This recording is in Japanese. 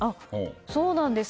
そうなんです。